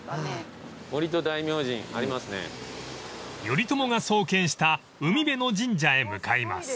［頼朝が創建した海辺の神社へ向かいます］